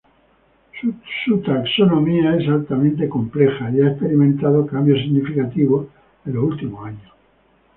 Su taxonomía es altamente compleja, y ha experimentado cambios significativos en los últimos años.